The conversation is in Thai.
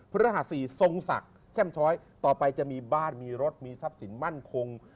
พระรหัส๔ทรงศักดิ์แช่มช้อยต่อไปจะมีบ้านมีรถมีทรัพย์สินมั่นคง